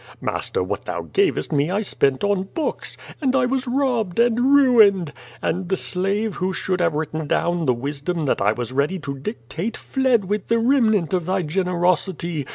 Master, what thou gavest me I spent on books. And I was robbed and ruined. And the slave who should have written down the wisdom that I was ready to dictate fled with the remnant of thy generosity.